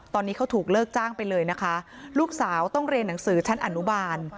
ตอนนี้เขาถูกเลิกจ้างไปเลยนะคะลูกสาวต้องเรียนหนังสือชั้นอนุบาล